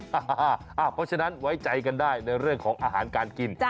เพราะฉะนั้นไว้ใจกันได้ในเรื่องของอาหารการกิน